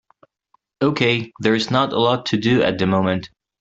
Okay, there is not a lot to do at the moment.